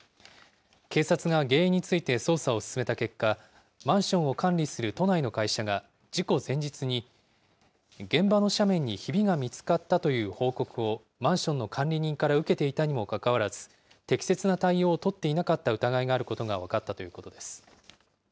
警察が原因について捜査を進めた結果、マンションの管理する都内の会社が事故前日に、現場の斜面にひびが見つかったという報告をマンションの管理人から受けていたにもかかわらず、適切な対応を取っていなかった疑いがあることが分かったということです。